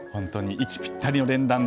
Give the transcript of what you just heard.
息ぴったりの連弾で。